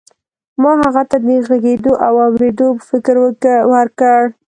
ما هغه ته د غږېدو او اورېدو فکر ورکړ.